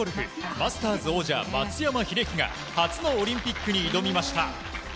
マスターズ王者、松山英樹が初のオリンピックに挑みました。